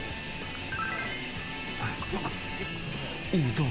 どう。